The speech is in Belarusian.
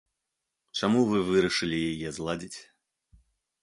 Чаму вы вырашылі яе зладзіць?